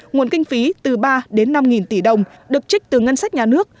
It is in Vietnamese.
nguồn kinh phí từ ba đến năm tỷ đồng được trích từ ngân sách nhà nước